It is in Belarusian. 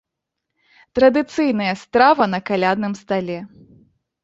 Традыцыйная страва на калядным стале.